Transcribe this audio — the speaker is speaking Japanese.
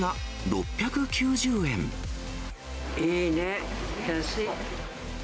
いいね、安い。